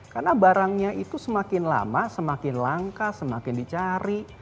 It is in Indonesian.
karena barangnya itu semakin lama semakin langka semakin dicari